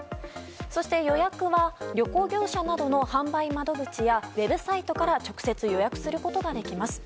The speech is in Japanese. そして、予約は旅行業者などの販売窓口やウェブサイトから直接予約することができます。